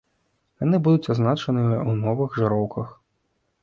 Яны будуць адзначаныя ў новых жыроўках.